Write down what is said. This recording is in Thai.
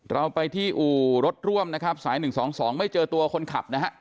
เราไปที่อู่รถร่วมนะครับสาย๑๒๒ไม่เจอตัวคนขับนะฮะ